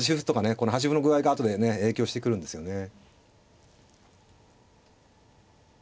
この端歩の具合が後でね影響してくるんですよね。